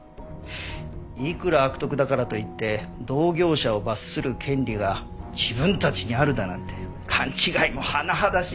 いくら悪徳だからといって同業者を罰する権利が自分たちにあるだなんて勘違いも甚だしい。